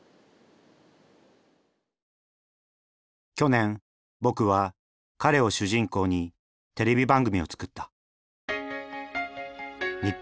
去年僕は彼を主人公にテレビ番組を作った。